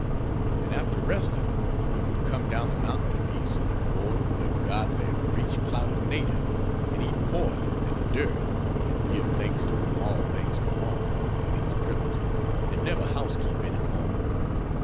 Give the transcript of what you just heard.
And after resting, we would come down the mountain a piece and board with a godly, breech clouted native, and eat poi and dirt and give thanks to whom all thanks belong, for these privileges, and never house keep any more.